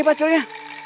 sini pak julnya